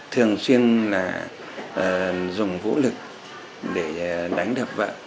thường xuyên là dùng vũ lực để đánh đập vợ